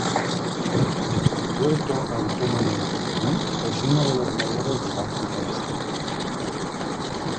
El Puerto Autónomo de Cotonú es uno de los mayores del África Occidental.